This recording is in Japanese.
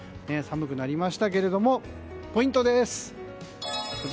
寒くなりましたけれどもポイントです。